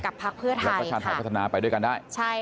แล้วก็ชาติไทยพัฒนาไปด้วยกันได้